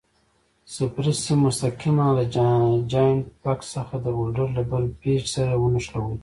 صفري سیم مستقیماً له جاینټ بکس څخه د هولډر له بل پېچ سره ونښلوئ.